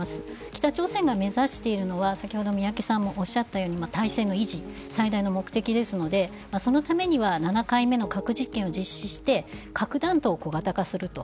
北朝鮮が目指しているのは先ほど宮家さんがおっしゃったように体制の維持が最大の目的ですのでそのためには７回目の核実験を実施して、核弾頭を小型化すると。